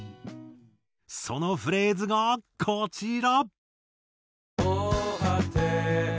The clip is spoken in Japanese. そのフレーズがこちら。